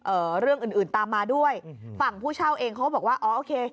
เรื่องอื่นอื่นตามมาด้วยอืมฝั่งผู้เช่าเองเขาก็บอกว่าอ๋อโอเค